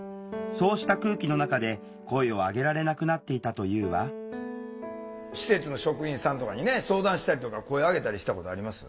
そうした空気の中で声を上げられなくなっていたというわ施設の職員さんとかにね相談したりとか声上げたりしたことあります？